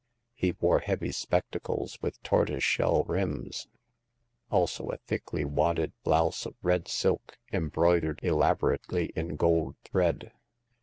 He wore heavy spectacles with tortoiseshell rims ; also a thickly wadded blouse of red silk em broidered elaborately in gold thread.